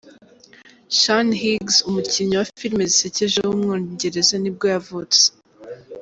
Sean Hughes, umukinnyi wa filime zisekeje w’umwongereza nibwo yavutse.